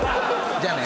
じゃあね。